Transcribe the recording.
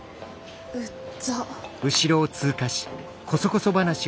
うっざ。